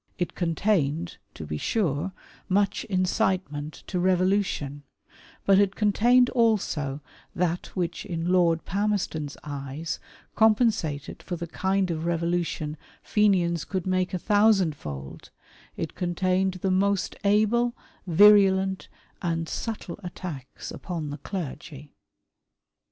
It contained, to be sure, much incitement to revolution ; but it contained also that which in Lord Palmerston' s eyes compensated for the kind of revolution Fenians could make a tJiousand fold — it contained the most able, virulent, and subtle attacks upon the clergy.